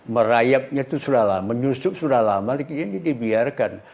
merayapnya itu sudah lama menyusup sudah lama dibiarkan